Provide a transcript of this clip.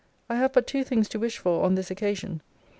I have but two things to wish for on this occasion.